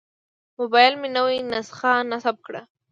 موبایل مې نوې نسخه نصب کړه.